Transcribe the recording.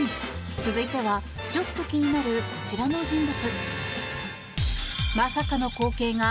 続いてはちょっと気になるこちらの人物。